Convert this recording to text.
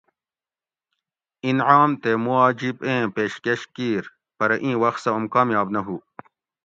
انعام تے مواجب ایں پیشکش کیر پرہ اِیں وخت سہ اوم کامیاب نہ ھُو